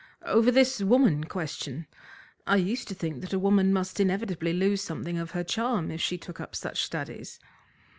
"Over this woman question. I used to think that a woman must inevitably lose something of her charm if she took up such studies."